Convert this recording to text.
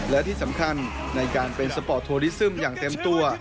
และที่สำคัญในการเป็นสปอร์ตโทรลิซึมอย่างเต็มตัว